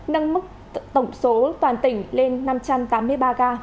nâng mức tổng số toàn tỉnh lên năm trăm tám mươi ba ca